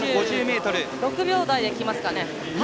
６秒台できますかね。